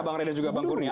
bang reda juga bang kurnia